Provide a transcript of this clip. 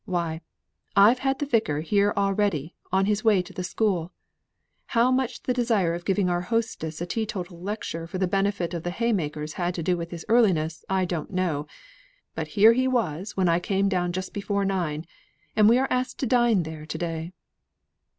Why, I've had the Vicar here already, on his way to the school. How much the desire of giving our hostess a teetotal lecture for the benefit of the hay makers, had to do with his earliness, I don't know; but here he was, when I came down just before nine; and we are asked to dine there to day."